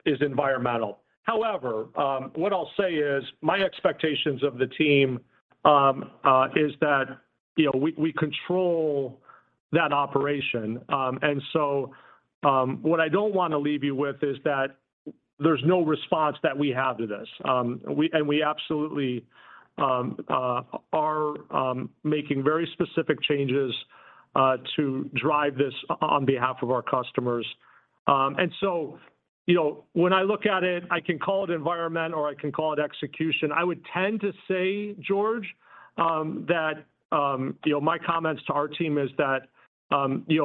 is environmental. However, what I'll say is my expectations of the team is that we control that operation. What I don't want to leave you with is that there's no response that we have to this. We absolutely are making very specific changes to drive this on behalf of our customers. When I look at it, I can call it environment or I can call it execution. I would tend to say, George, that my comments to our team is that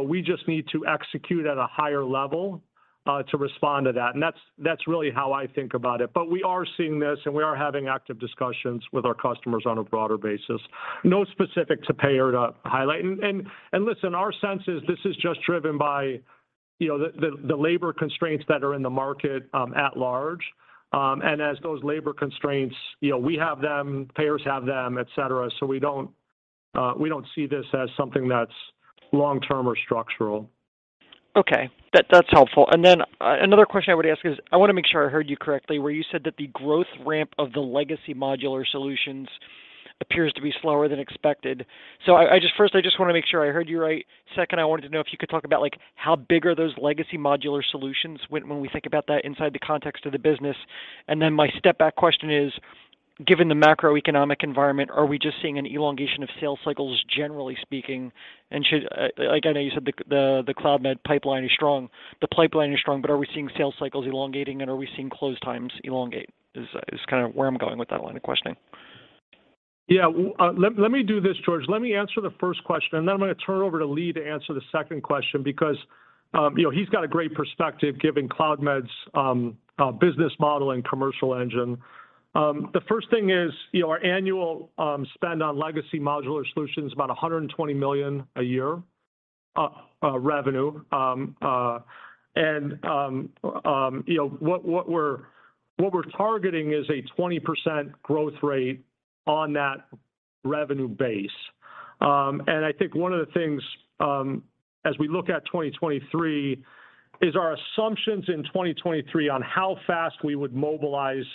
we just need to execute at a higher level to respond to that. That's really how I think about it. We are seeing this, and we are having active discussions with our customers on a broader basis. No specific to payer to highlight. Listen, our sense is this is just driven by the labor constraints that are in the market at large. As those labor constraints, we have them, payers have them, et cetera, so we don't see this as something that's long-term or structural. Okay. That's helpful. Then another question I would ask is, I want to make sure I heard you correctly where you said that the growth ramp of the legacy modular solutions appears to be slower than expected. First, I just want to make sure I heard you right. Second, I wanted to know if you could talk about how big are those legacy modular solutions when we think about that inside the context of the business. Then my step-back question is, given the macroeconomic environment, are we just seeing an elongation of sales cycles generally speaking? I know you said the Cloudmed pipeline is strong. The pipeline is strong, but are we seeing sales cycles elongating and are we seeing close times elongate? Is where I'm going with that line of questioning. Let me do this, George. Let me answer the first question, and then I'm going to turn it over to Lee to answer the second question because he's got a great perspective given Cloudmed's business model and commercial engine. The first thing is our annual spend on legacy modular solutions is about $120 million a year revenue. What we're targeting is a 20% growth rate on that revenue base. I think one of the things as we look at 2023 is our assumptions in 2023 on how fast we would mobilize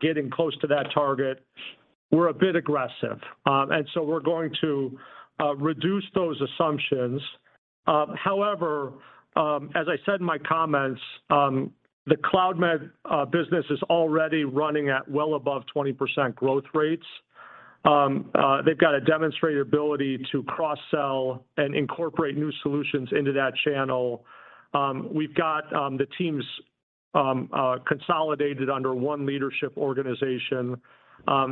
getting close to that target were a bit aggressive. We're going to reduce those assumptions. However, as I said in my comments, the Cloudmed business is already running at well above 20% growth rates. They've got a demonstrated ability to cross-sell and incorporate new solutions into that channel. We've got the teams consolidated under one leadership organization.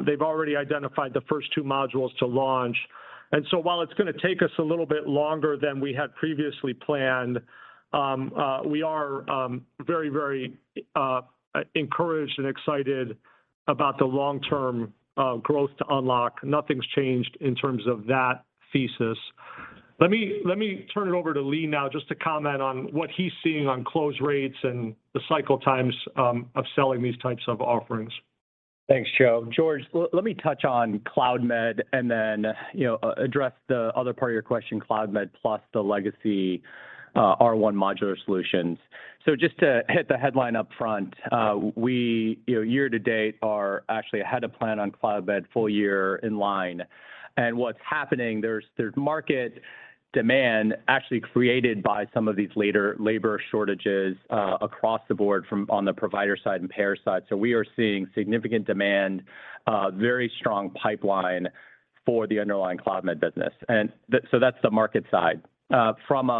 They've already identified the first two modules to launch. While it's going to take us a little bit longer than we had previously planned, we are very encouraged and excited about the long-term growth to unlock. Nothing's changed in terms of that thesis. Let me turn it over to Lee now just to comment on what he's seeing on close rates and the cycle times of selling these types of offerings. Thanks, Joe. George, let me touch on Cloudmed and then address the other part of your question, Cloudmed plus the legacy R1 RCM modular solutions. Just to hit the headline up front, we year to date are actually ahead of plan on Cloudmed full year in line. What's happening, there's market demand actually created by some of these labor shortages across the board from on the provider side and payer side. We are seeing significant demand, very strong pipeline for the underlying Cloudmed business. That's the market side. From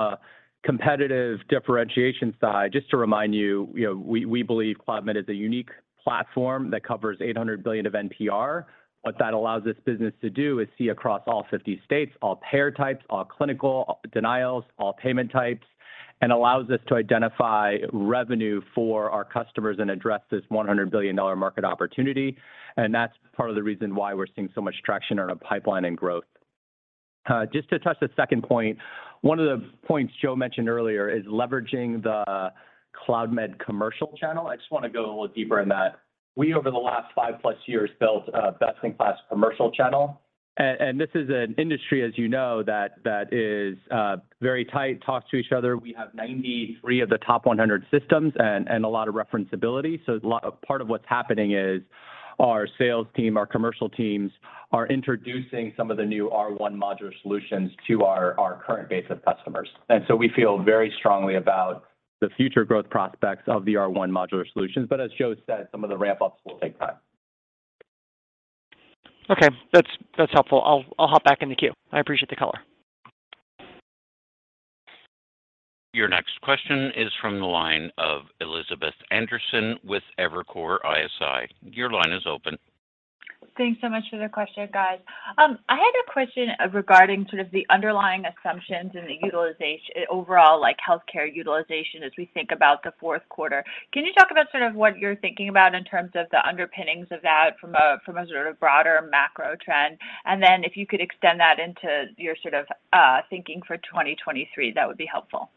a competitive differentiation side, just to remind you, we believe Cloudmed is a unique platform that covers $800 billion of NPR. What that allows this business to do is see across all 50 states, all payer types, all clinical denials, all payment types, and allows us to identify revenue for our customers and address this $100 billion market opportunity. That's part of the reason why we're seeing so much traction on our pipeline and growth. Just to touch the second point, one of the points Joe mentioned earlier is leveraging the Cloudmed commercial channel. I just want to go a little deeper in that. We over the last five plus years built a best-in-class commercial channel. This is an industry as you know that is very tight, talks to each other. We have 93 of the top 100 systems and a lot of reference ability. Part of what's happening is our sales team, our commercial teams are introducing some of the new R1 RCM modular solutions to our current base of customers. We feel very strongly about the future growth prospects of the R1 RCM modular solutions. As Joe said, some of the ramp-ups will take time. Okay. That's helpful. I'll hop back in the queue. I appreciate the color. Your next question is from the line of Elizabeth Anderson with Evercore ISI. Your line is open. Thanks so much for the question, guys. I had a question regarding sort of the underlying assumptions and the overall healthcare utilization as we think about the fourth quarter. Can you talk about sort of what you're thinking about in terms of the underpinnings of that from a sort of broader macro trend? Then if you could extend that into your sort of thinking for 2023, that would be helpful.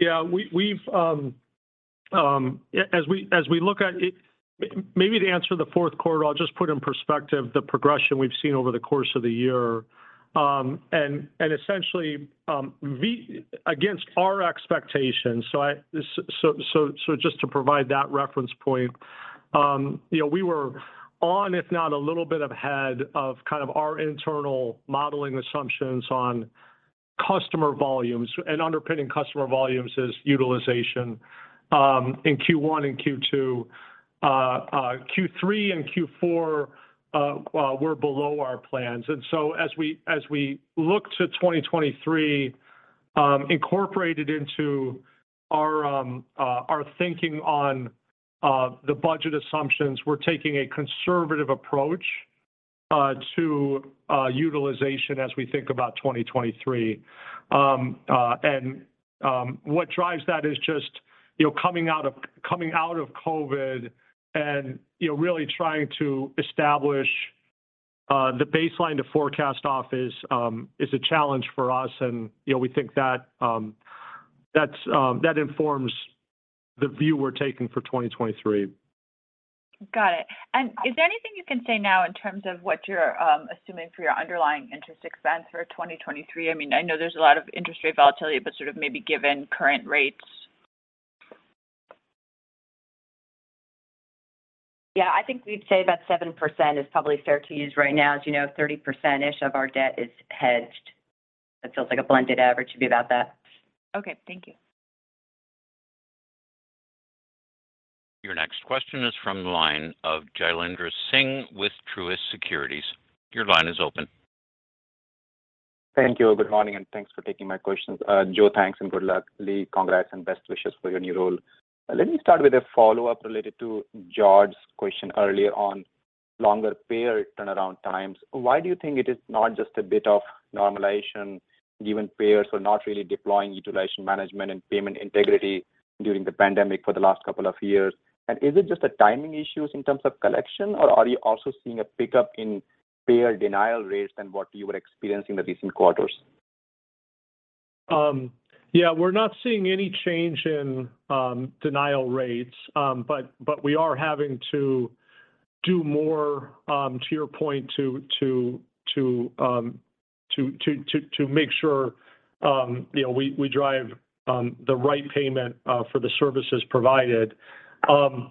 Yeah. Maybe to answer the fourth quarter, I'll just put in perspective the progression we've seen over the course of the year, and essentially against our expectations. Just to provide that reference point, we were on, if not a little bit ahead of our internal modeling assumptions on customer volumes, and underpinning customer volumes is utilization in Q1 and Q2. Q3 and Q4 were below our plans. As we look to 2023, incorporated into our thinking on the budget assumptions, we're taking a conservative approach to utilization as we think about 2023. What drives that is just coming out of COVID and really trying to establish the baseline to forecast off is a challenge for us and we think that informs the view we're taking for 2023. Got it. Is there anything you can say now in terms of what you're assuming for your underlying interest expense for 2023? I know there's a lot of interest rate volatility, but sort of maybe given current rates. Yeah. I think we'd say about 7% is probably fair to use right now. As you know, 30%-ish of our debt is hedged. That feels like a blended average should be about that. Okay. Thank you. Your next question is from the line of Jailendra Singh with Truist Securities. Your line is open. Thank you. Good morning, thanks for taking my questions. Joe, thanks and good luck. Lee, congrats and best wishes for your new role. Let me start with a follow-up related to George's question earlier on longer payer turnaround times. Why do you think it is not just a bit of normalization, given payers were not really deploying utilization management and payment integrity during the pandemic for the last couple of years? Is it just timing issues in terms of collection, or are you also seeing a pickup in payer denial rates than what you were experiencing the recent quarters? Yeah. We're not seeing any change in denial rates. We are having to do more, to your point, to make sure we drive the right payment for the services provided. My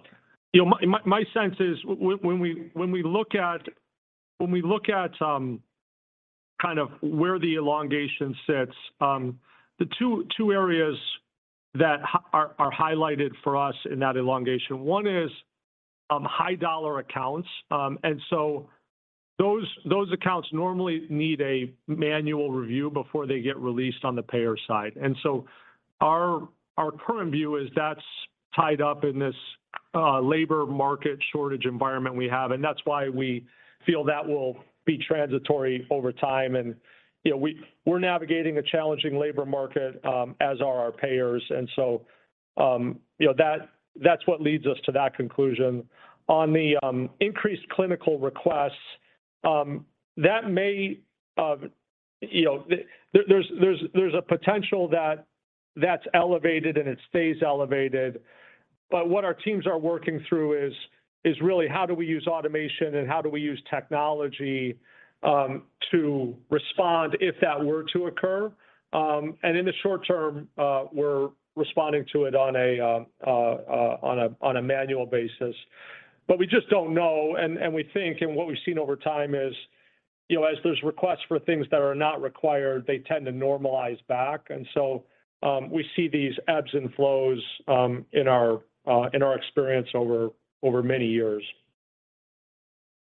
sense is when we look at where the elongation sits, the two areas that are highlighted for us in that elongation, one is high-dollar accounts. Those accounts normally need a manual review before they get released on the payer side. Our current view is that's tied up in this labor market shortage environment we have, and that's why we feel that will be transitory over time. We're navigating a challenging labor market, as are our payers. That's what leads us to that conclusion. On the increased clinical requests, there's a potential that that's elevated and it stays elevated. What our teams are working through is really how do we use automation and how do we use technology to respond if that were to occur? In the short term, we're responding to it on a manual basis. We just don't know, and we think, what we've seen over time is as there's requests for things that are not required, they tend to normalize back. We see these ebbs and flows in our experience over many years.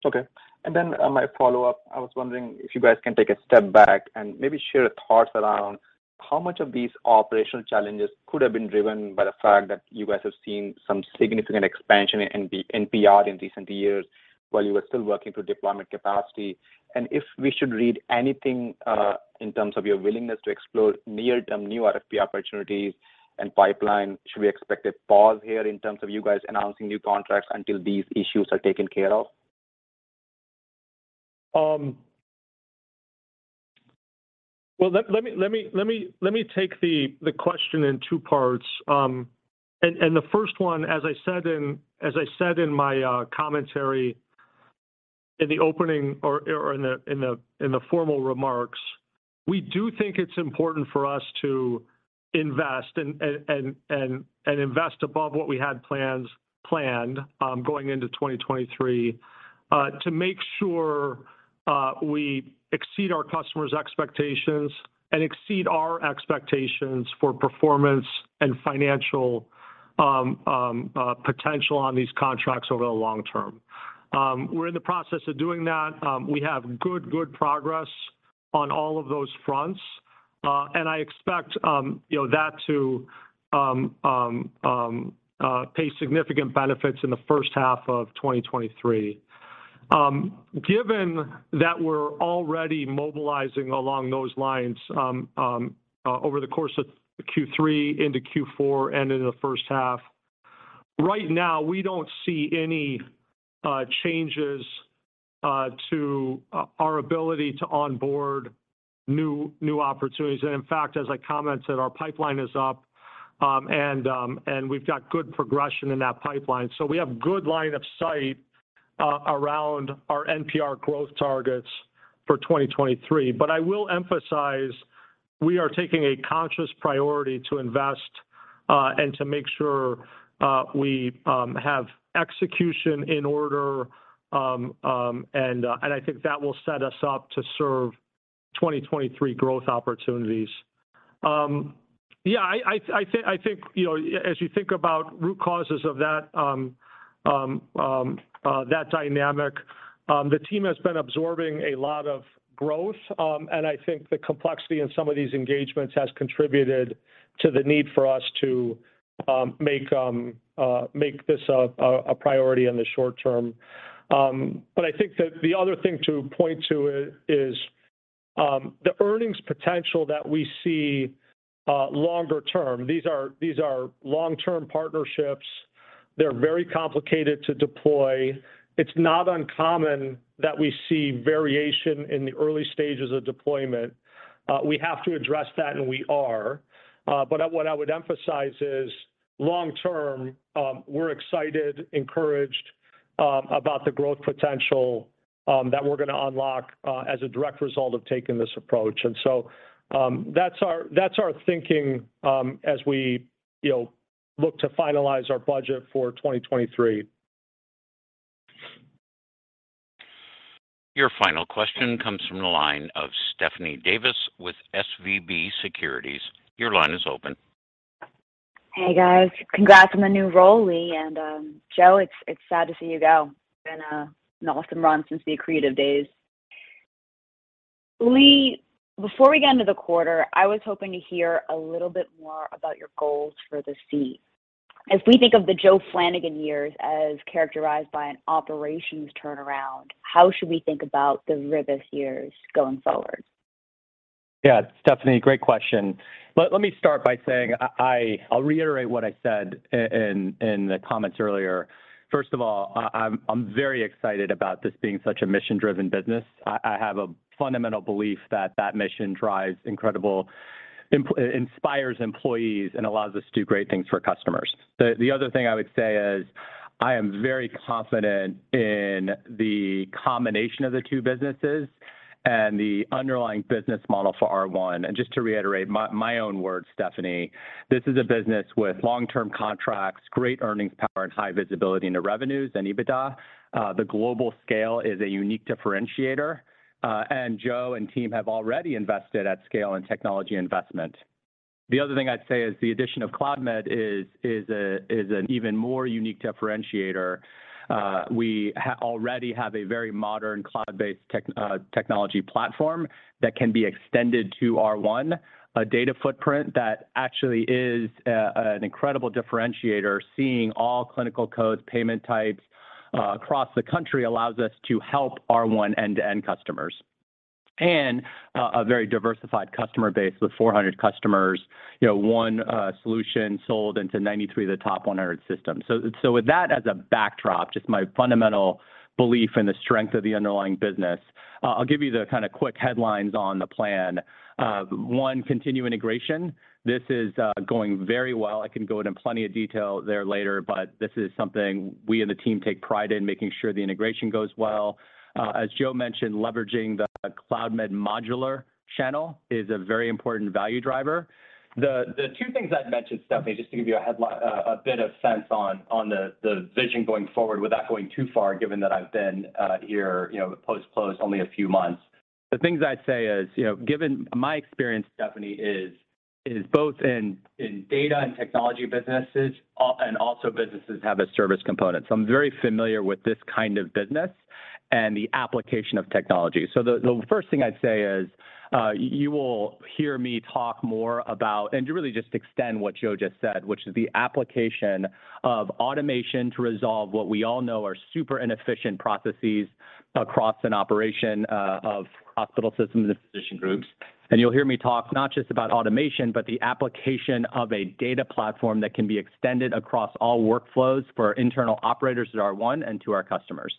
Okay. My follow-up, I was wondering if you guys can take a step back and maybe share thoughts around how much of these operational challenges could have been driven by the fact that you guys have seen some significant expansion in PR in recent years while you were still working through deployment capacity. If we should read anything in terms of your willingness to explore near-term new RFP opportunities and pipeline. Should we expect a pause here in terms of you guys announcing new contracts until these issues are taken care of? Let me take the question in two parts. The first one, as I said in my commentary in the opening or in the formal remarks, we do think it's important for us to invest, and invest above what we had planned going into 2023, to make sure we exceed our customers' expectations and exceed our expectations for performance and financial potential on these contracts over the long term. We're in the process of doing that. We have good progress on all of those fronts. I expect that to pay significant benefits in the first half of 2023. Given that we're already mobilizing along those lines over the course of Q3 into Q4 and into the first half. Right now, we don't see any changes to our ability to onboard new opportunities. In fact, as I commented, our pipeline is up, and we've got good progression in that pipeline. We have good line of sight around our NPR growth targets for 2023. I will emphasize we are taking a conscious priority to invest, and to make sure we have execution in order. I think that will set us up to serve 2023 growth opportunities. I think as you think about root causes of that dynamic, the team has been absorbing a lot of growth. I think the complexity in some of these engagements has contributed to the need for us to make this a priority in the short term. I think that the other thing to point to is the earnings potential that we see longer term. These are long-term partnerships. They're very complicated to deploy. It's not uncommon that we see variation in the early stages of deployment. We have to address that, and we are. What I would emphasize is long term, we're excited, encouraged about the growth potential that we're going to unlock as a direct result of taking this approach. That's our thinking as we look to finalize our budget for 2023. Your final question comes from the line of Stephanie Davis with SVB Securities. Your line is open. Hey, guys. Congrats on the new role, Lee. Joe, it's sad to see you go. It's been an awesome run since the Accretive days. Lee, before we get into the quarter, I was hoping to hear a little bit more about your goals for the C. As we think of the Joe Flanagan years as characterized by an operations turnaround, how should we think about the Rivas years going forward? Yeah. Stephanie, great question. Let me start by saying, I'll reiterate what I said in the comments earlier. First of all, I'm very excited about this being such a mission-driven business. I have a fundamental belief that that mission drives incredible inspires employees and allows us to do great things for customers. The other thing I would say is I am very confident in the combination of the two businesses and the underlying business model for R1 RCM. Just to reiterate my own words, Stephanie, this is a business with long-term contracts, great earnings power, and high visibility into revenues and EBITDA. The global scale is a unique differentiator. Joe and team have already invested at scale in technology investment. The other thing I'd say is the addition of Cloudmed is an even more unique differentiator. We already have a very modern cloud-based technology platform that can be extended to R1 RCM, a data footprint that actually is an incredible differentiator. Seeing all clinical codes, payment types across the country allows us to help R1 RCM end-to-end customers. A very diversified customer base with 400 customers. One solution sold into 93 of the top 100 systems. With that as a backdrop, just my fundamental belief in the strength of the underlying business, I'll give you the quick headlines on the plan. One, continue integration. This is going very well. I can go into plenty of detail there later, but this is something we and the team take pride in making sure the integration goes well. As Joe Flanagan mentioned, leveraging the Cloudmed modular channel is a very important value driver. The two things I'd mention, Stephanie, just to give you a bit of sense on the vision going forward without going too far, given that I've been here post-close only a few months. The things I'd say is, given my experience, Stephanie, is both in data and technology businesses and also businesses have a service component. I'm very familiar with this kind of business and the application of technology. The first thing I'd say is, you will hear me talk more about, and to really just extend what Joe Flanagan just said, which is the application of automation to resolve what we all know are super inefficient processes across an operation of hospital systems and physician groups. You'll hear me talk not just about automation, but the application of a data platform that can be extended across all workflows for internal operators at R1 RCM and to our customers.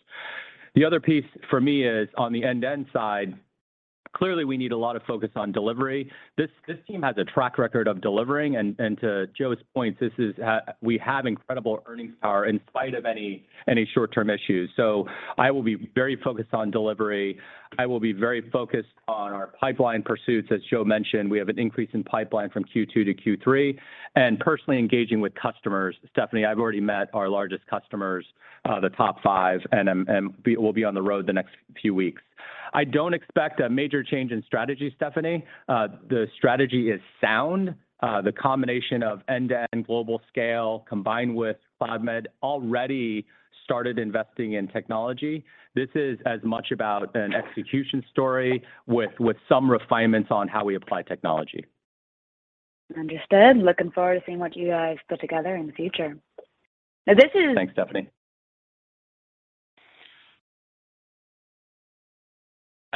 The other piece for me is on the end-to-end side, clearly we need a lot of focus on delivery. This team has a track record of delivering, and to Joe Flanagan's point, we have incredible earnings power in spite of any short-term issues. I will be very focused on delivery. I will be very focused on our pipeline pursuits. As Joe Flanagan mentioned, we have an increase in pipeline from Q2 to Q3, and personally engaging with customers. Stephanie, I've already met our largest customers, the top five, and will be on the road the next few weeks. I don't expect a major change in strategy, Stephanie. The strategy is sound. The combination of end-to-end global scale combined with Cloudmed already started investing in technology. This is as much about an execution story with some refinements on how we apply technology. Understood. Looking forward to seeing what you guys put together in the future. Thanks, Stephanie.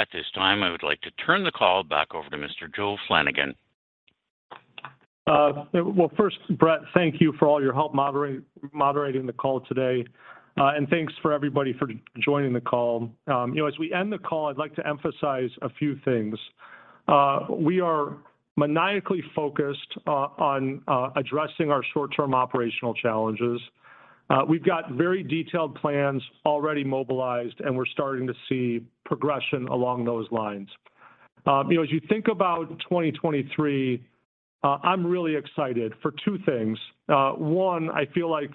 At this time, I would like to turn the call back over to Mr. Joe Flanagan. Well, first, Brett, thank you for all your help moderating the call today. Thanks for everybody for joining the call. As we end the call, I'd like to emphasize a few things. We are maniacally focused on addressing our short-term operational challenges. We've got very detailed plans already mobilized, and we're starting to see progression along those lines. As you think about 2023, I'm really excited for two things. One, I feel like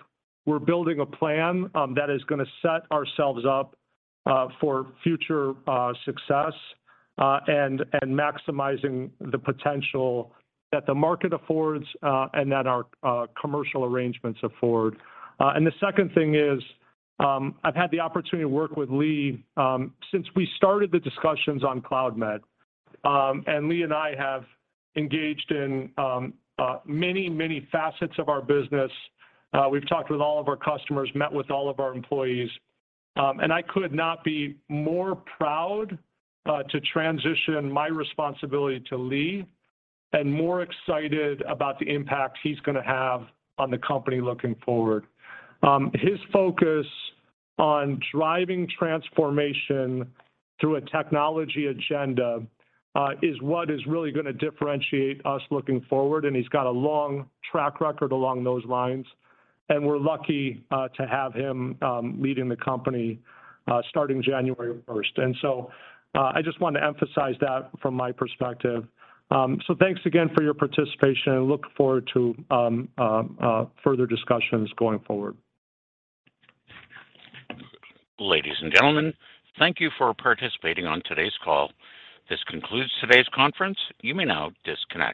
we're building a plan that is going to set ourselves up for future success, and maximizing the potential that the market affords and that our commercial arrangements afford. The second thing is, I've had the opportunity to work with Lee since we started the discussions on Cloudmed. Lee and I have engaged in many facets of our business. We've talked with all of our customers, met with all of our employees. I could not be more proud to transition my responsibility to Lee and more excited about the impact he's going to have on the company looking forward. His focus on driving transformation through a technology agenda is what is really going to differentiate us looking forward, and he's got a long track record along those lines, and we're lucky to have him leading the company starting January 1st. I just want to emphasize that from my perspective. Thanks again for your participation and look forward to further discussions going forward. Ladies and gentlemen, thank you for participating on today's call. This concludes today's conference. You may now disconnect.